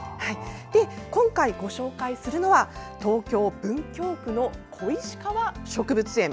今回ご紹介するのは東京・文京区の小石川植物園。